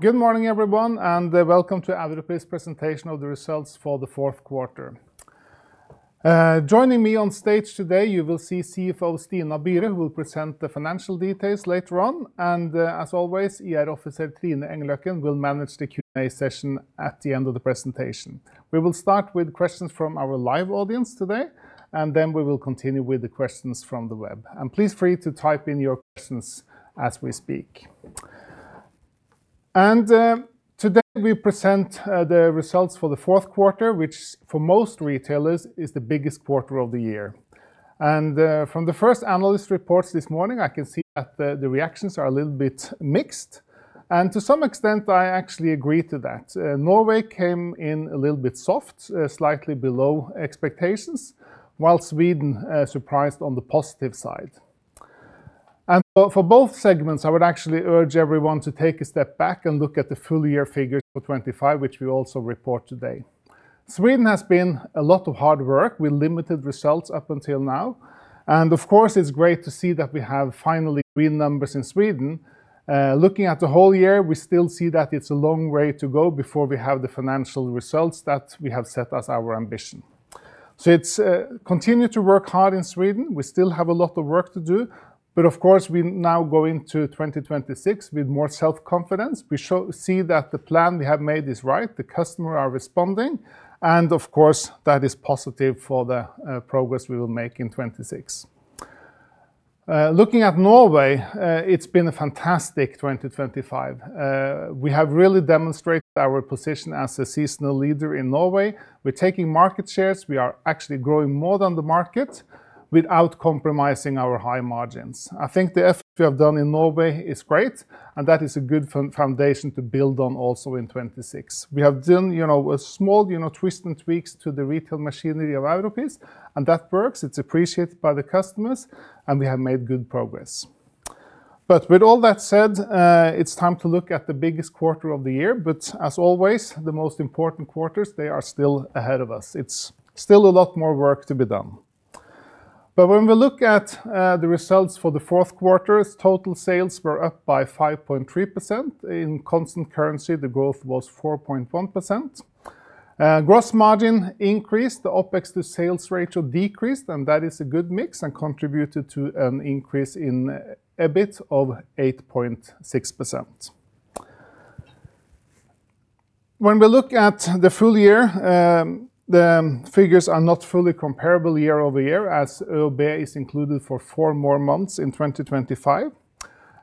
Good morning, everyone, and welcome to Europris' presentation of the results for the fourth quarter. Joining me on stage today, you will see CFO Stina Byre, who will present the financial details later on, and as always, IR officer Trine Engløkken will manage the Q&A session at the end of the presentation. We will start with questions from our live audience today, and then we will continue with the questions from the web. And please feel free to type in your questions as we speak. And today we present the results for the fourth quarter, which for most retailers is the biggest quarter of the year. And from the first analyst reports this morning, I can see that the reactions are a little bit mixed, and to some extent, I actually agree to that. Norway came in a little bit soft, slightly below expectations, while Sweden surprised on the positive side. And for both segments, I would actually urge everyone to take a step back and look at the full year figures for 2025, which we also report today. Sweden has been a lot of hard work with limited results up until now, and of course, it's great to see that we have finally green numbers in Sweden. Looking at the whole year, we still see that it's a long way to go before we have the financial results that we have set as our ambition. So it's continue to work hard in Sweden. We still have a lot of work to do, but of course, we now go into 2026 with more self-confidence. We see that the plan we have made is right, the customer are responding, and of course, that is positive for the progress we will make in 2026. Looking at Norway, it's been a fantastic 2025. We have really demonstrated our position as a seasonal leader in Norway. We're taking market shares. We are actually growing more than the market without compromising our high margins. I think the effort we have done in Norway is great, and that is a good foundation to build on also in 2026. We have done, you know, a small, you know, twist and tweaks to the retail machinery of Europris, and that works. It's appreciated by the customers, and we have made good progress. But with all that said, it's time to look at the biggest quarter of the year, but as always, the most important quarters, they are still ahead of us. It's still a lot more work to be done. But when we look at the results for the fourth quarter, total sales were up by 5.3%. In constant currency, the growth was 4.1%. Gross margin increased, the OpEx to sales ratio decreased, and that is a good mix and contributed to an increase in EBIT of 8.6%. When we look at the full year, the figures are not fully comparable year-over-year, as ÖoB is included for four more months in 2025.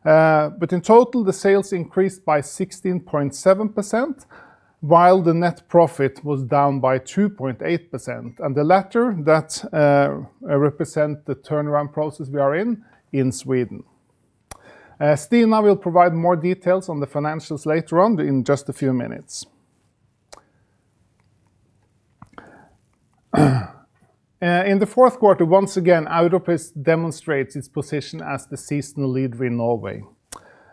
But in total, the sales increased by 16.7%, while the net profit was down by 2.8%, and the latter that represent the turnaround process we are in Sweden. Stina will provide more details on the financials later on in just a few minutes. In the fourth quarter, once again, Europris demonstrates its position as the seasonal leader in Norway.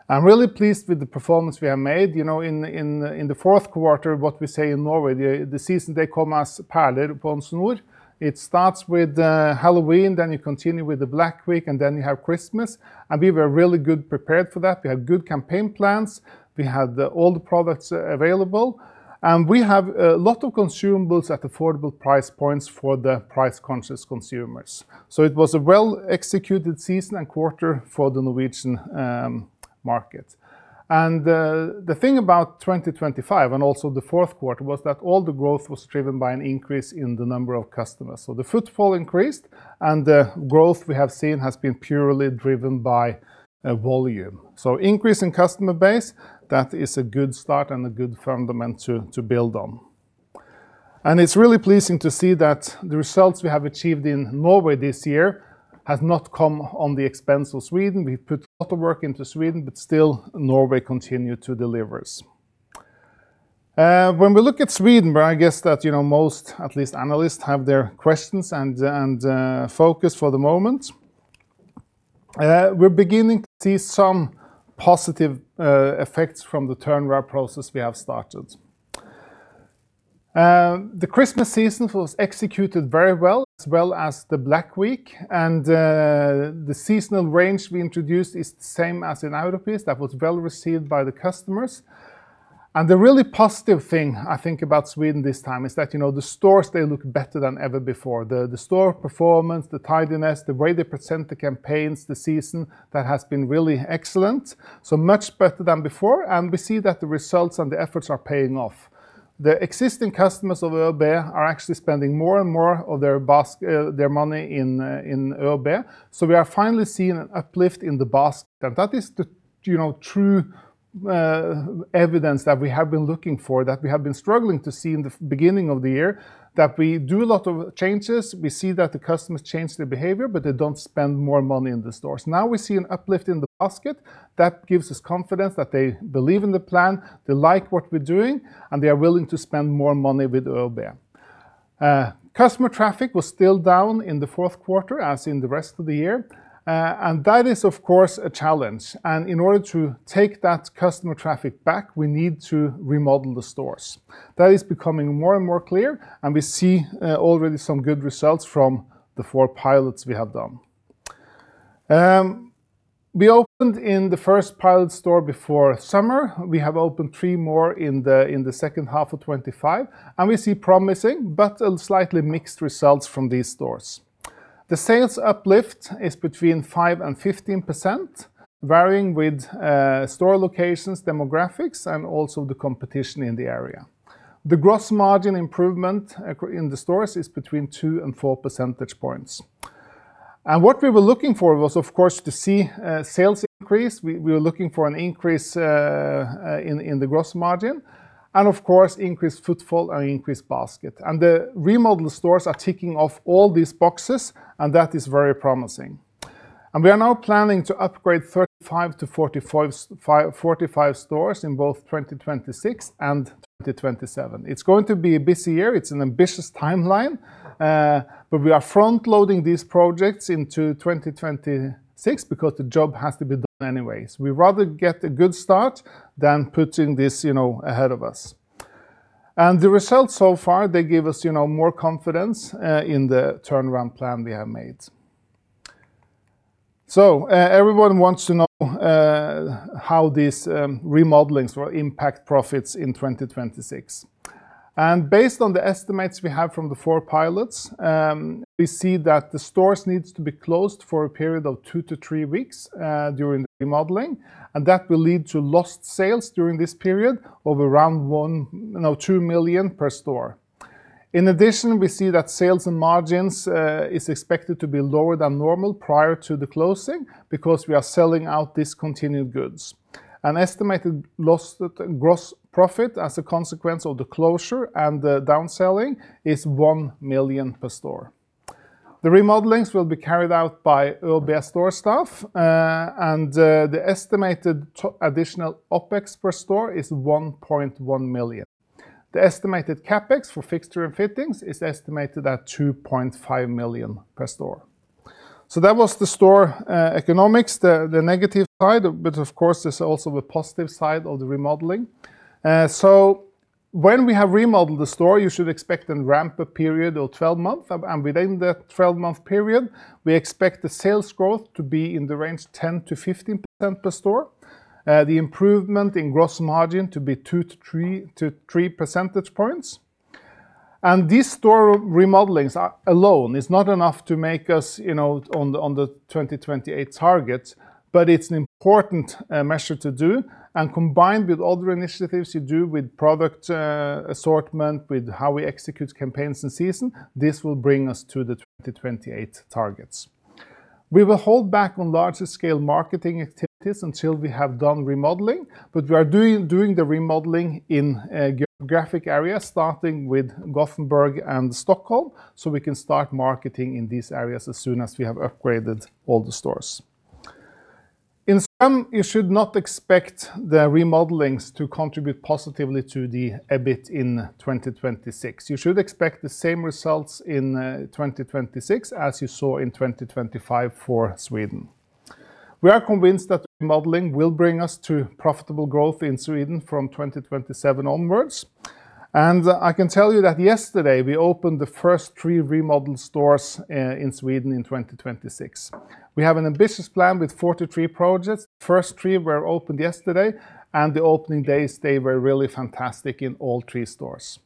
I'm really pleased with the performance we have made. You know, in the fourth quarter, what we say in Norway, the season, they come as perler på en snor. It starts with Halloween, then you continue with the Black Week, and then you have Christmas, and we were really good prepared for that. We had good campaign plans, we had all the products available, and we have a lot of consumables at affordable price points for the price-conscious consumers. So it was a well-executed season and quarter for the Norwegian market. And the thing about 2025, and also the fourth quarter, was that all the growth was driven by an increase in the number of customers. So the footfall increased, and the growth we have seen has been purely driven by volume. So increase in customer base, that is a good start and a good fundament to build on. And it's really pleasing to see that the results we have achieved in Norway this year has not come on the expense of Sweden. We've put a lot of work into Sweden, but still, Norway continued to delivers. When we look at Sweden, where I guess that, you know, most at least analysts have their questions and, and, focus for the moment, we're beginning to see some positive, effects from the turnaround process we have started. The Christmas season was executed very well, as well as the Black Week, and, the seasonal range we introduced is the same as in Europris. That was well-received by the customers, and the really positive thing I think about Sweden this time is that, you know, the stores, they look better than ever before. The, the store performance, the tidiness, the way they present the campaigns, the season, that has been really excellent, so much better than before, and we see that the results and the efforts are paying off. The existing customers of ÖoB are actually spending more and more of their basket, their money in, in ÖoB, so we are finally seeing an uplift in the basket. That is the, you know, true evidence that we have been looking for, that we have been struggling to see in the beginning of the year, that we do a lot of changes. We see that the customers change their behavior, but they don't spend more money in the stores. Now, we see an uplift in the basket, that gives us confidence that they believe in the plan, they like what we're doing, and they are willing to spend more money with ÖoB. Customer traffic was still down in the fourth quarter, as in the rest of the year, and that is, of course, a challenge. And in order to take that customer traffic back, we need to remodel the stores. That is becoming more and more clear, and we see already some good results from the four pilots we have done. We opened in the first pilot store before summer. We have opened three more in the second half of 2025, and we see promising but slightly mixed results from these stores. The sales uplift is between 5% and 15%, varying with store locations, demographics, and also the competition in the area. The gross margin improvement in the stores is between two and four percentage points. And what we were looking for was, of course, to see sales increase. We were looking for an increase in the gross margin, and of course, increased footfall and increased basket. The remodeled stores are ticking off all these boxes, and that is very promising. We are now planning to upgrade 35-45 stores in both 2026 and 2027. It's going to be a busy year. It's an ambitious timeline, but we are front-loading these projects into 2026 because the job has to be done anyways. We rather get a good start than putting this, you know, ahead of us. The results so far, they give us, you know, more confidence in the turnaround plan we have made. So, everyone wants to know how these remodelings will impact profits in 2026. Based on the estimates we have from the four pilots, we see that the stores needs to be closed for a period of two-three weeks during the remodeling, and that will lead to lost sales during this period of around 2 million per store. In addition, we see that sales and margins is expected to be lower than normal prior to the closing because we are selling out discontinued goods. An estimated lost gross profit as a consequence of the closure and the downselling is 1 million per store. The remodelings will be carried out by ÖoB store staff, and the estimated additional OpEx per store is 1.1 million. The estimated CapEx for fixture and fittings is estimated at 2.5 million per store. So that was the store economics, the negative side, but of course, there's also a positive side of the remodeling. So when we have remodeled the store, you should expect a ramp-up period of 12 months, and within that 12-month period, we expect the sales growth to be in the range 10%-15% per store, the improvement in gross margin to be 2-3 percentage points. And these store remodelings alone is not enough to make us, you know, on the 2028 target, but it's an important measure to do, and combined with other initiatives we do with product assortment, with how we execute campaigns and season, this will bring us to the 2028 targets. We will hold back on larger scale marketing activities until we have done remodeling, but we are doing the remodeling in a geographic area, starting with Gothenburg and Stockholm, so we can start marketing in these areas as soon as we have upgraded all the stores. In sum, you should not expect the remodelings to contribute positively to the EBIT in 2026. You should expect the same results in 2026 as you saw in 2025 for Sweden. We are convinced that remodeling will bring us to profitable growth in Sweden from 2027 onwards, and I can tell you that yesterday, we opened the first three remodeled stores in Sweden in 2026. We have an ambitious plan with 43 projects. First three were opened yesterday, and the opening days, they were really fantastic in all three stores.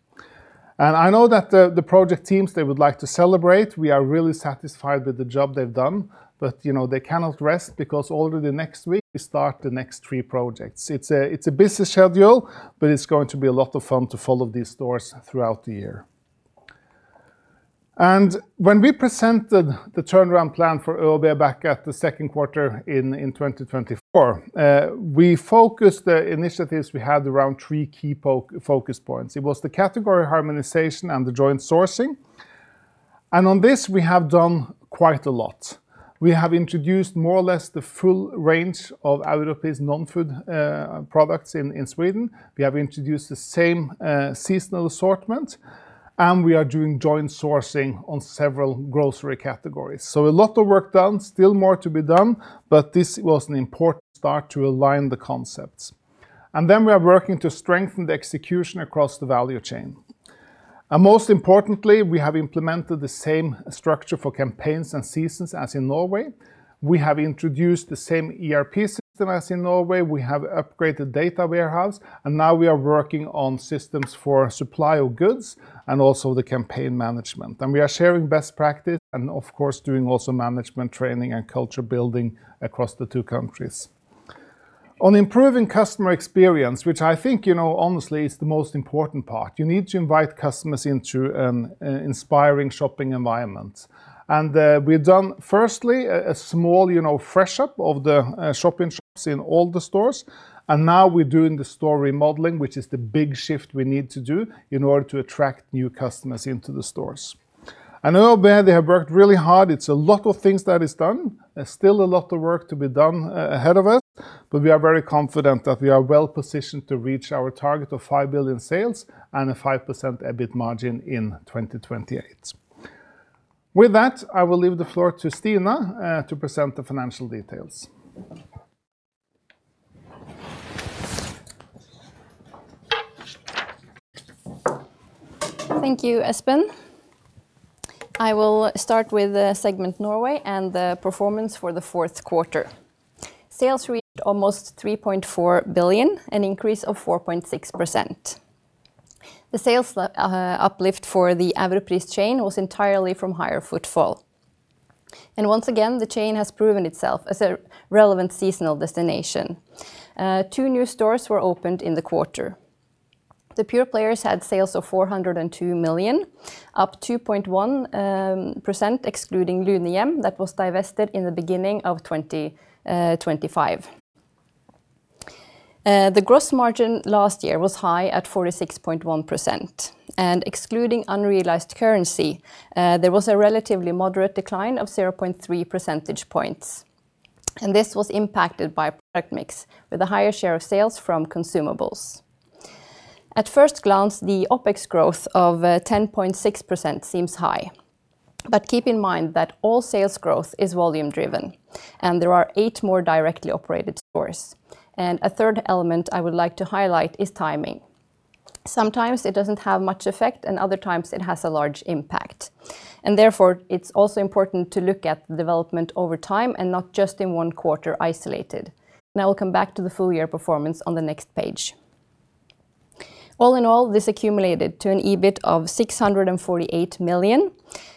I know that the project teams, they would like to celebrate. We are really satisfied with the job they've done, but, you know, they cannot rest because already next week, we start the next three projects. It's a busy schedule, but it's going to be a lot of fun to follow these stores throughout the year. When we presented the turnaround plan for ÖoB back at the second quarter in 2024, we focused the initiatives we had around three key focus points. It was the category harmonization and the joint sourcing, and on this, we have done quite a lot. We have introduced more or less the full range of ÖoB's non-food products in Sweden. We have introduced the same seasonal assortment, and we are doing joint sourcing on several grocery categories. So a lot of work done, still more to be done, but this was an important start to align the concepts. And then we are working to strengthen the execution across the value chain. And most importantly, we have implemented the same structure for campaigns and seasons as in Norway. We have introduced the same ERP system as in Norway. We have upgraded data warehouse, and now we are working on systems for supply of goods and also the campaign management. And we are sharing best practice and of course, doing also management training and culture building across the two countries. On improving customer experience, which I think, you know, honestly, is the most important part, you need to invite customers into an inspiring shopping environment. We've done, firstly, a small, you know, fresh-up of the shop-in-shops in all the stores, and now we're doing the store remodeling, which is the big shift we need to do in order to attract new customers into the stores. ÖoB, they have worked really hard. It's a lot of things that is done. There's still a lot of work to be done ahead of us, but we are very confident that we are well-positioned to reach our target of 5 billion sales and a 5% EBIT margin in 2028. With that, I will leave the floor to Stina to present the financial details. Thank you, Espen. I will start with the segment Norway and the performance for the fourth quarter. Sales reached almost 3.4 billion, an increase of 4.6%. The sales uplift for the Europris chain was entirely from higher footfall. And once again, the chain has proven itself as a relevant seasonal destination. Two new stores were opened in the quarter. The pure players had sales of 402 million, up 2.1%, excluding Lunehjem, that was divested in the beginning of twenty, 2025. The gross margin last year was high at 46.1%, and excluding unrealized currency, there was a relatively moderate decline of 0.3 percentage points, and this was impacted by product mix, with a higher share of sales from consumables. At first glance, the OpEx growth of 10.6% seems high, but keep in mind that all sales growth is volume driven, and there are eight more directly operated stores. A third element I would like to highlight is timing. Sometimes it doesn't have much effect, and other times it has a large impact. Therefore, it's also important to look at the development over time and not just in one quarter isolated. I will come back to the full year performance on the next page. All in all, this accumulated to an EBIT of 648 million,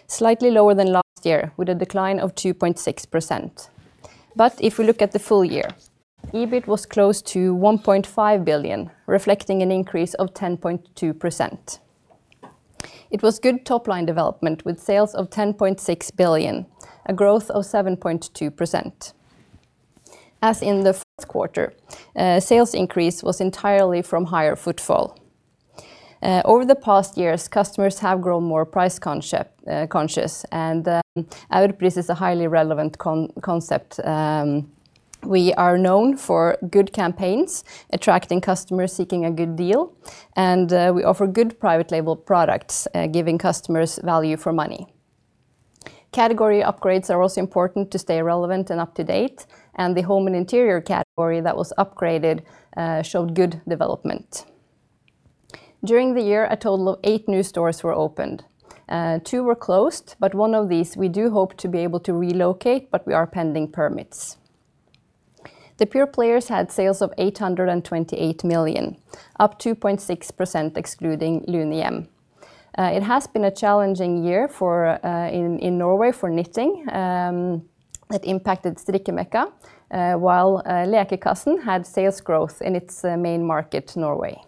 slightly lower than last year, with a decline of 2.6%. But if we look at the full year, EBIT was close to 1.5 billion, reflecting an increase of 10.2%. It was good top-line development, with sales of 10.6 billion, a growth of 7.2%. As in the first quarter, sales increase was entirely from higher footfall. Over the past years, customers have grown more price-conscious, and Europris is a highly relevant concept. We are known for good campaigns, attracting customers seeking a good deal, and we offer good private label products, giving customers value for money. Category upgrades are also important to stay relevant and up to date, and the home and interior category that was upgraded showed good development. During the year, a total of eight new stores were opened. Two were closed, but one of these we do hope to be able to relocate, but we are pending permits. The pure players had sales of 828 million, up 2.6%, excluding Lunehjem. It has been a challenging year for in Norway for knitting that impacted Strikkemekka while Lekekassen had sales growth in its main market, Norway.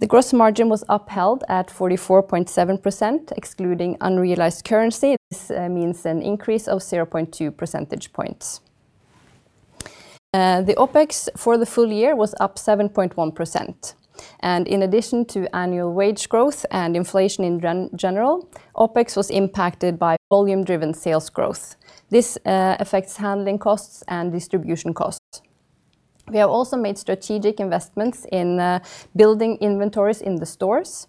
The gross margin was upheld at 44.7%, excluding unrealized currency. This means an increase of 0.2 percentage points. The OpEx for the full year was up 7.1%, and in addition to annual wage growth and inflation in general, OpEx was impacted by volume-driven sales growth. This affects handling costs and distribution costs. We have also made strategic investments in building inventories in the stores,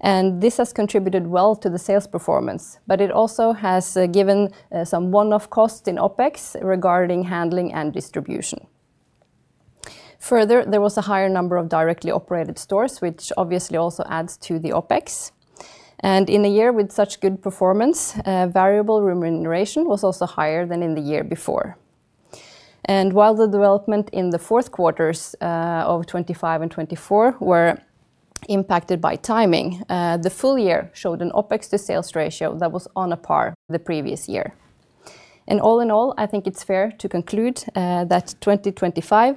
and this has contributed well to the sales performance, but it also has given some one-off costs in OpEx regarding handling and distribution. Further, there was a higher number of directly operated stores, which obviously also adds to the OpEx. And in a year with such good performance, variable remuneration was also higher than in the year before. And while the development in the fourth quarters of 2025 and 2024 were impacted by timing, the full year showed an OpEx to sales ratio that was on a par the previous year. And all in all, I think it's fair to conclude that 2025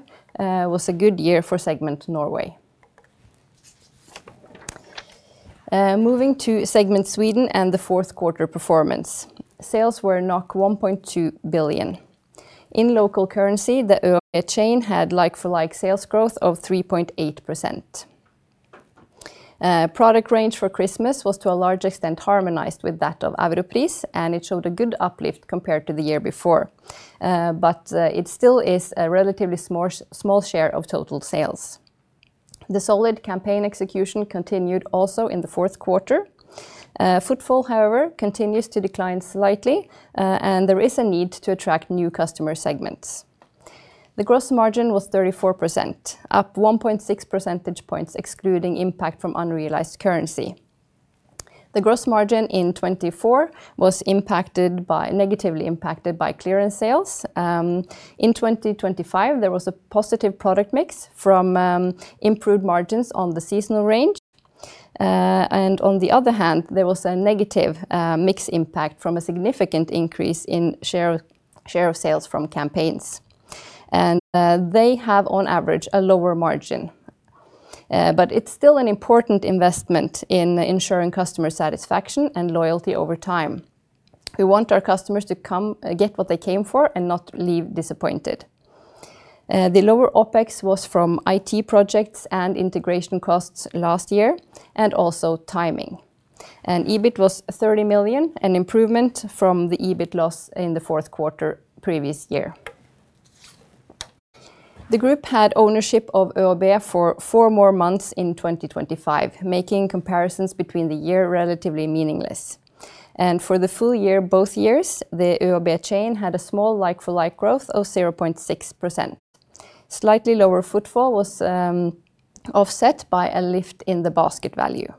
was a good year for segment Norway. Moving to segment Sweden and the fourth quarter performance. Sales were 1.2 billion. In local currency, the ÖoB chain had like-for-like sales growth of 3.8%. Product range for Christmas was to a large extent harmonized with that of Europris, and it showed a good uplift compared to the year before. But it still is a relatively small share of total sales. The solid campaign execution continued also in the fourth quarter. Footfall, however, continues to decline slightly, and there is a need to attract new customer segments. The gross margin was 34%, up 1.6 percentage points, excluding impact from unrealized currency. The gross margin in 2024 was negatively impacted by clearance sales. In 2025, there was a positive product mix from improved margins on the seasonal range. On the other hand, there was a negative mix impact from a significant increase in share of sales from campaigns. They have, on average, a lower margin. But it's still an important investment in ensuring customer satisfaction and loyalty over time. We want our customers to come, get what they came for, and not leave disappointed. The lower OpEx was from IT projects and integration costs last year, and also timing. EBIT was 30 million, an improvement from the EBIT loss in the fourth quarter, previous year. The group had ownership of ÖoB for four more months in 2025, making comparisons between the year relatively meaningless. For the full year, both years, the ÖoB chain had a small like-for-like growth of 0.6%. Slightly lower footfall was offset by a lift in the basket value.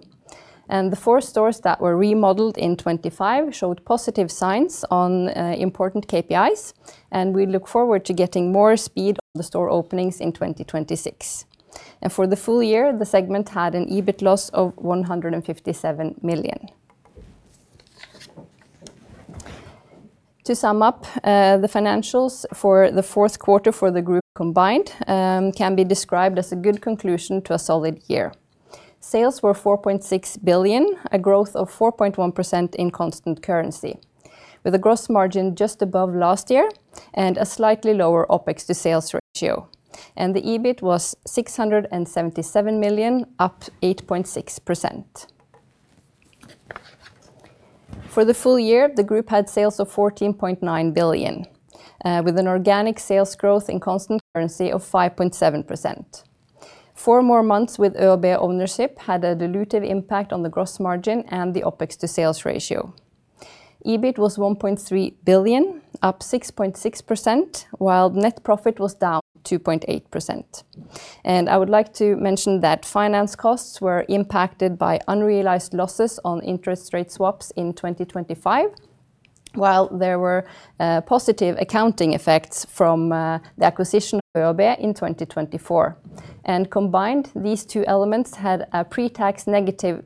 And the four stores that were remodeled in 2025 showed positive signs on important KPIs, and we look forward to getting more speed on the store openings in 2026. And for the full year, the segment had an EBIT loss of 157 million. To sum up, the financials for the fourth quarter for the group combined can be described as a good conclusion to a solid year. Sales were 4.6 billion, a growth of 4.1% in constant currency, with a gross margin just above last year and a slightly lower OpEx to sales ratio. And the EBIT was 677 million, up 8.6%. For the full year, the group had sales of 14.9 billion, with an organic sales growth in constant currency of 5.7%. Four more months with ÖoB ownership had a dilutive impact on the gross margin and the OpEx to sales ratio. EBIT was 1.3 billion, up 6.6%, while net profit was down 2.8%. And I would like to mention that finance costs were impacted by unrealized losses on interest rate swaps in 2025, while there were positive accounting effects from the acquisition of ÖoB in 2024. And combined, these two elements had a pre-tax negative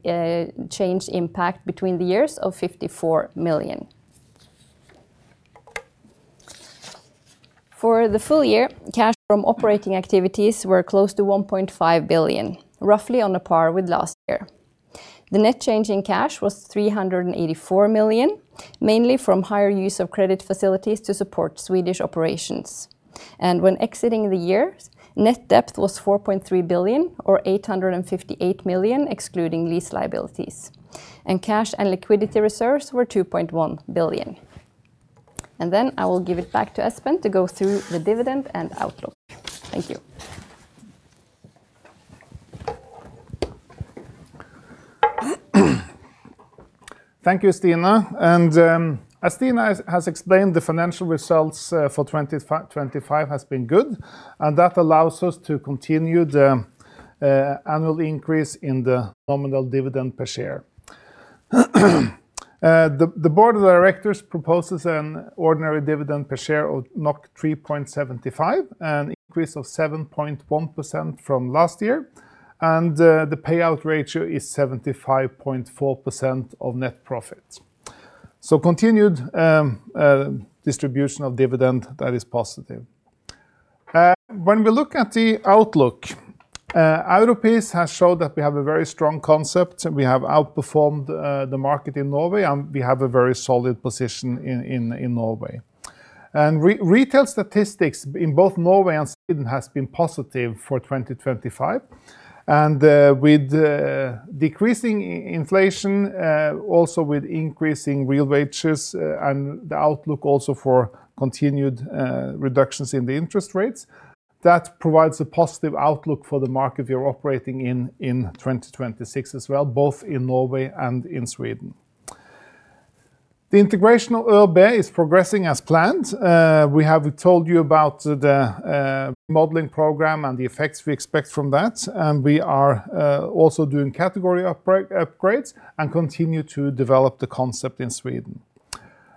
change impact between the years of 54 million. For the full year, cash from operating activities were close to 1.5 billion, roughly on par with last year. The net change in cash was 384 million, mainly from higher use of credit facilities to support Swedish operations. When exiting the year, net debt was 4.3 billion, or 858 million, excluding lease liabilities, and cash and liquidity reserves were 2.1 billion. Then I will give it back to Espen to go through the dividend and outlook. Thank you. Thank you, Stina. As Stina has explained, the financial results for 2025 has been good, and that allows us to continue the annual increase in the nominal dividend per share. The board of directors proposes an ordinary dividend per share of 3.75, an increase of 7.1% from last year, and the payout ratio is 75.4% of net profits. So continued distribution of dividend, that is positive. When we look at the outlook, Europris has showed that we have a very strong concept, and we have outperformed the market in Norway, and we have a very solid position in Norway. Retail statistics in both Norway and Sweden has been positive for 2025, and, with, decreasing inflation, also with increasing real wages, and the outlook also for continued, reductions in the interest rates, that provides a positive outlook for the market we are operating in, in 2026 as well, both in Norway and in Sweden. The integration of ÖoB is progressing as planned. We have told you about the, remodeling program and the effects we expect from that, and we are, also doing category upgrades and continue to develop the concept in Sweden.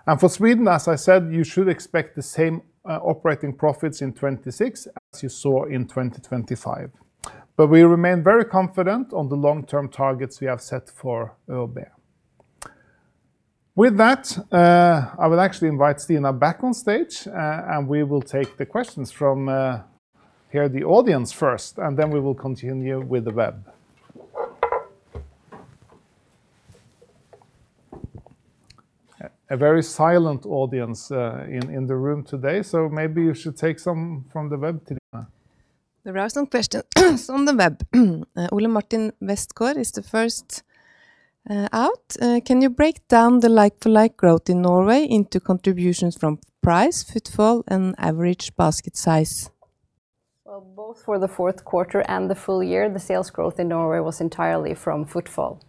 And for Sweden, as I said, you should expect the same, operating profits in 2026 as you saw in 2025. But we remain very confident on the long-term targets we have set for ÖoB. With that, I will actually invite Stina back on stage, and we will take the questions from here, the audience first, and then we will continue with the web. A very silent audience in the room today, so maybe you should take some from the web, Trine. There are some questions on the web. Ole Martin Westgaard is the first out. Can you break down the like-for-like growth in Norway into contributions from price, footfall, and average basket size? Well, both for the fourth quarter and the full year, the sales growth in Norway was entirely from footfall.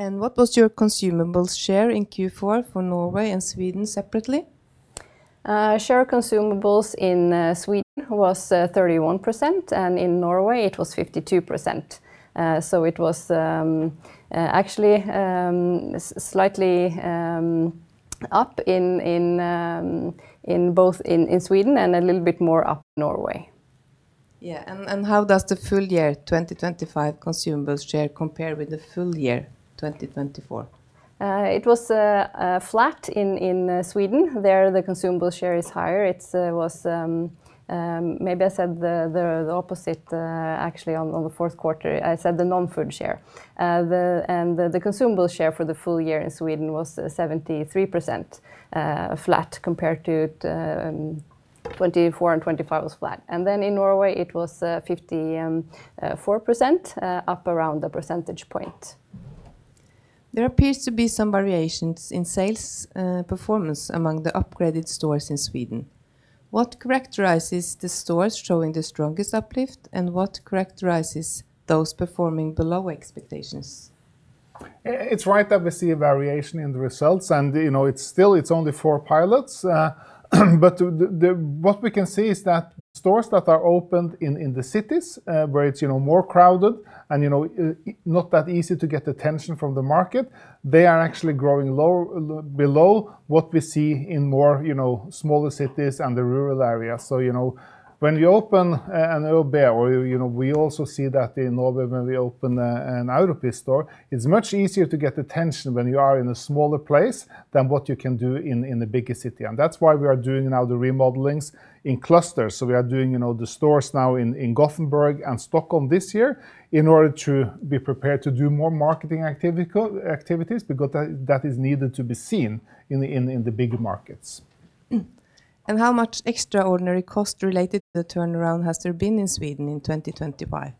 And what was your consumables share in Q4 for Norway and Sweden separately? Share consumables in Sweden was 31%, and in Norway it was 52%. So it was actually slightly up in both in Sweden and a little bit more up in Norway. Yeah, and how does the full year 2025 consumables share compare with the full year 2024? It was flat in Sweden. There, the consumable share is higher. It was maybe I said the opposite, actually, on the fourth quarter. I said the non-food share. And the consumable share for the full year in Sweden was 73%, flat compared to 2024 and 2025 was flat. And then in Norway it was 54%, up around the percentage point. There appears to be some variations in sales performance among the upgraded stores in Sweden. What characterizes the stores showing the strongest uplift, and what characterizes those performing below expectations? It's right that we see a variation in the results, and, you know, it's still, it's only four pilots. But what we can see is that stores that are opened in the cities, where it's, you know, more crowded and, you know, not that easy to get attention from the market, they are actually growing below what we see in more, you know, smaller cities and the rural areas. So, you know, when you open an ÖoB or, you know, we also see that in Norway when we open an Europris store, it's much easier to get attention when you are in a smaller place than what you can do in the bigger city. And that's why we are doing now the remodelings in clusters. We are doing, you know, the stores now in Gothenburg and Stockholm this year in order to be prepared to do more marketing activities, because that is needed to be seen in the bigger markets. How much extraordinary cost related to the turnaround has there been in Sweden in 2025?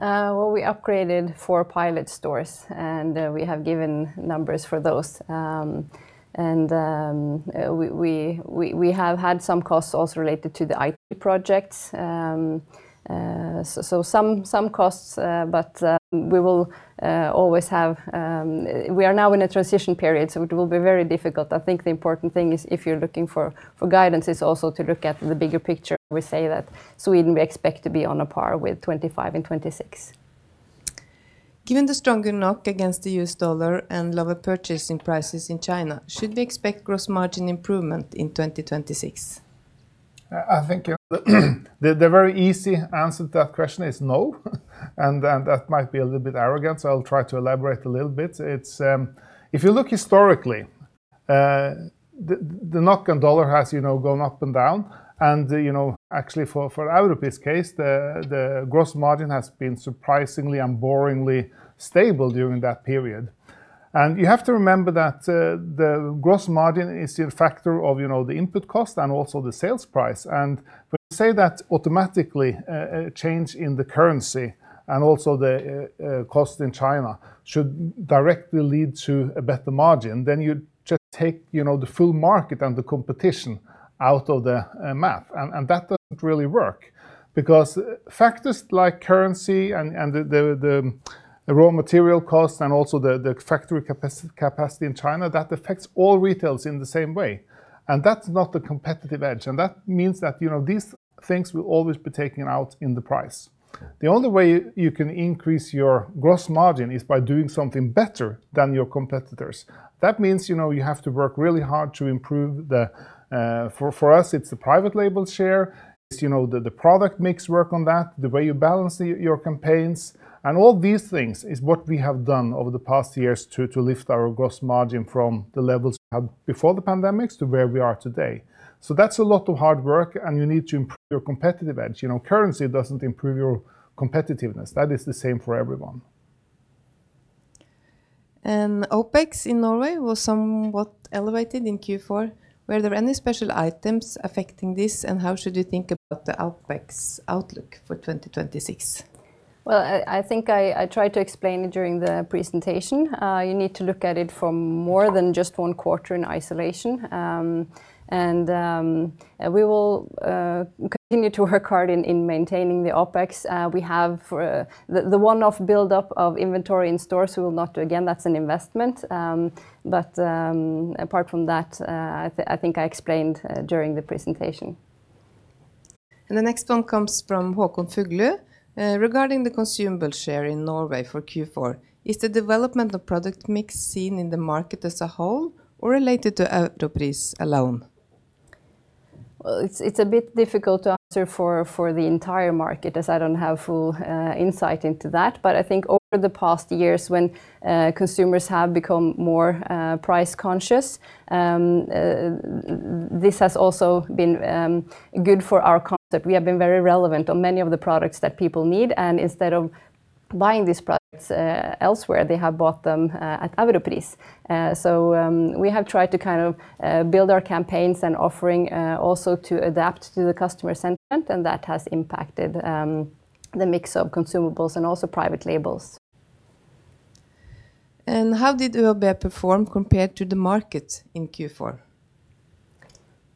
Well, we upgraded four pilot stores, and we have given numbers for those. We have had some costs also related to the IT projects. So some costs, but we will always have... We are now in a transition period, so it will be very difficult. I think the important thing is if you're looking for guidance, is also to look at the bigger picture. We say that Sweden, we expect to be on a par with 2025 and 2026. Given the stronger NOK against the US dollar and lower purchasing prices in China, should we expect gross margin improvement in 2026? I think the very easy answer to that question is no. And then that might be a little bit arrogant, so I'll try to elaborate a little bit. It's... If you look historically, the NOK and US dollar has, you know, gone up and down, and, you know, actually, for Europris' case, the gross margin has been surprisingly and boringly stable during that period. And you have to remember that, the gross margin is a factor of, you know, the input cost and also the sales price. And when you say that automatically, a change in the currency and also the cost in China should directly lead to a better margin, then you just take, you know, the full market and the competition out of the math. That doesn't really work because factors like currency and the raw material cost and also the factory capacity in China, that affects all retailers in the same way, and that's not a competitive edge. And that means that, you know, these things will always be taken out in the price. The only way you can increase your gross margin is by doing something better than your competitors. That means, you know, you have to work really hard to improve the. For us, it's the private label share, it's you know, the product mix work on that, the way you balance your campaigns, and all these things is what we have done over the past years to lift our gross margin from the levels we had before the pandemics to where we are today. That's a lot of hard work, and you need to improve your competitive edge. You know, currency doesn't improve your competitiveness. That is the same for everyone. OpEx in Norway was somewhat elevated in Q4. Were there any special items affecting this, and how should you think about the OpEx outlook for 2026? Well, I think I tried to explain it during the presentation. You need to look at it from more than just one quarter in isolation. We will continue to work hard in maintaining the OpEx. The one-off buildup of inventory in stores, we will not do again. That's an investment. Apart from that, I think I explained during the presentation. The next one comes from Håkon Fuglu. "Regarding the consumable share in Norway for Q4, is the development of product mix seen in the market as a whole or related to Europris alone? Well, it's a bit difficult to answer for the entire market, as I don't have full insight into that. But I think over the past years, when consumers have become more price conscious, this has also been good for our concept. We have been very relevant on many of the products that people need, and instead of buying these products elsewhere, they have bought them at Europris. So, we have tried to kind of build our campaigns and offering also to adapt to the customer sentiment, and that has impacted the mix of consumables and also private labels. How did ÖoB perform compared to the market in Q4?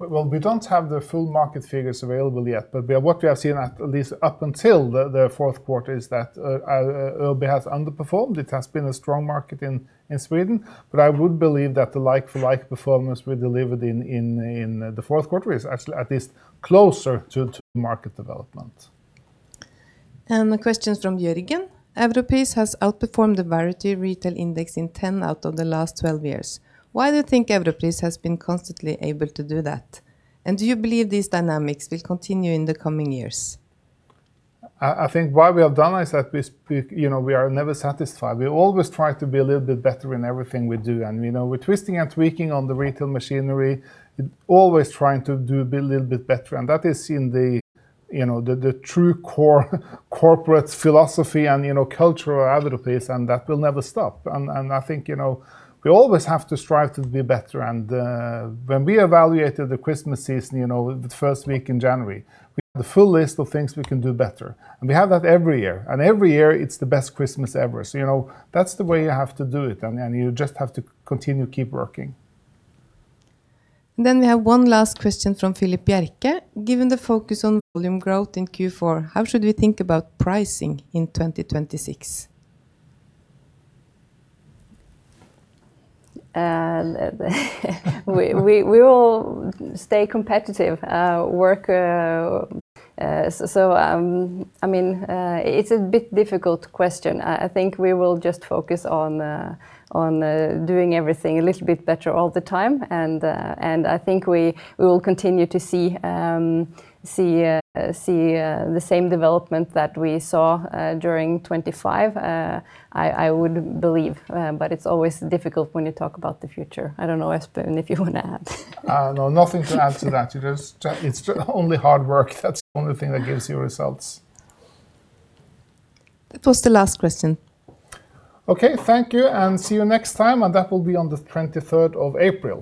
Well, we don't have the full market figures available yet, but what we have seen, at least up until the fourth quarter, is that ÖoB has underperformed. It has been a strong market in Sweden, but I would believe that the like-for-like performance we delivered in the fourth quarter is actually at least closer to market development. A question from Jørgen: Europris has outperformed the Variety Retail Index in 10 out of the last 12 years. Why do you think Europris has been constantly able to do that? And do you believe these dynamics will continue in the coming years? I think what we have done is that – you know, we are never satisfied. We always try to be a little bit better in everything we do, and, you know, we're twisting and tweaking on the retail machinery, always trying to do a little bit better. And that is in the, you know, the true core corporate philosophy and, you know, culture of Europris, and that will never stop. And I think, you know, we always have to strive to be better, and when we evaluated the Christmas season, you know, the first week in January, we had the full list of things we can do better, and we have that every year, and every year, it's the best Christmas ever. So, you know, that's the way you have to do it, and you just have to continue to keep working. We have one last question from Filip Bjerke: Given the focus on volume growth in Q4, how should we think about pricing in 2026? We will stay competitive. So, I mean, it's a bit difficult question. I think we will just focus on doing everything a little bit better all the time, and I think we will continue to see the same development that we saw during 2025. I would believe, but it's always difficult when you talk about the future. I don't know, Espen, if you want to add. No, nothing to add to that. You just, it's only hard work. That's the only thing that gives you results. That was the last question. Okay, thank you, and see you next time, and that will be on the 23rd of April.